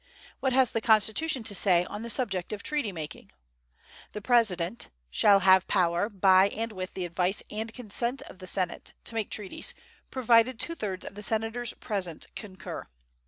What has the Constitution to say on the subject of treaty making? The President "shall have power, by and with the advice and consent of the Senate, to make treaties, provided two thirds of the Senators present concur."